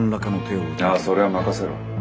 「ああそれは任せろ。